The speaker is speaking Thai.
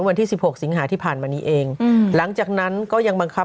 วันที่สิบหกสิงหาที่ผ่านมานี้เองหลังจากนั้นก็ยังบังคับ